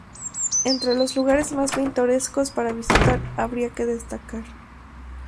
Entre los lugares más pintorescos para visitar habría que destacar.